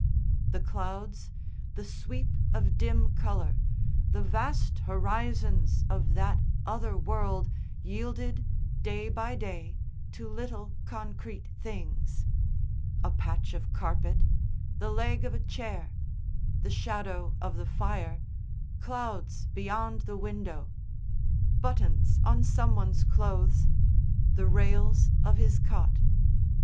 The clouds, the sweep of dim colour, the vast horizons of that other world yielded, day by day, to little concrete things a patch of carpet, the leg of a chair, the shadow of the fire, clouds beyond the window, buttons on some one's clothes, the rails of his cot.